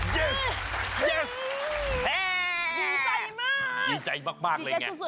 ดีใจมาก